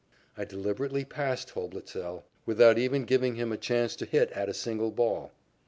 I deliberately passed Hoblitzell without even giving him a chance to hit at a single ball.